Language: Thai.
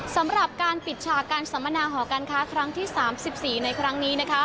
สำหรับการปิดฉากการสัมมนาหอการค้าครั้งที่๓๔ในครั้งนี้